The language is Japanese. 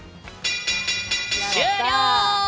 終了！